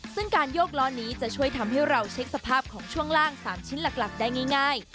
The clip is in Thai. ซึ่งการโยกล้อนี้จะช่วยทำให้เราเช็คสภาพของช่วงล่าง๓ชิ้นหลักได้ง่าย